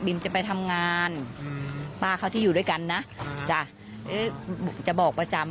จะไปทำงานป้าเขาที่อยู่ด้วยกันนะจ้ะจะบอกประจำ